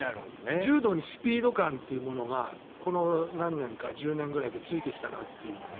柔道にスピード感というものがこの何年か１０年くらいでついてきたという。